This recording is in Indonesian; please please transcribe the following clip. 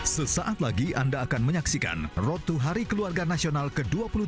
sesaat lagi anda akan menyaksikan road to hari keluarga nasional ke dua puluh tiga